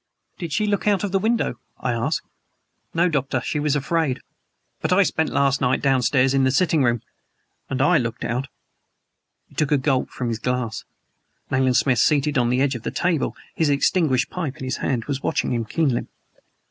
"Did she look out of the window?" I asked. "No, Doctor; she was afraid. But I spent last night downstairs in the sitting room and I looked out!" He took a gulp from his glass. Nayland Smith, seated on the edge of the table, his extinguished pipe in his hand, was watching him keenly.